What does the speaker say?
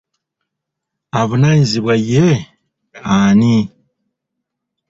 Avunaanyizibwa ye ani?